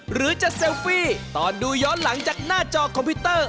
หรือจะเซลฟี่ตอนดูย้อนหลังจากหน้าจอคอมพิวเตอร์